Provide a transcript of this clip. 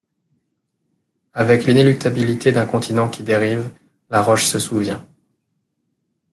Avec l’inéluctabilité d’un continent qui dérive, la roche se souvient.